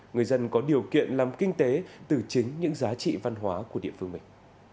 người dân có điều kiện làm kinh tế từ chính những giá trị văn hóa của địa phương mình